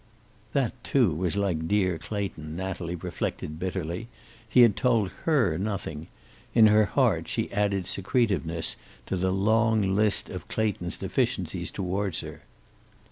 That, too, was like dear Clayton, Natalie reflected bitterly. He had told her nothing. In her heart she added secretiveness to the long list of Clayton's deficiencies toward her.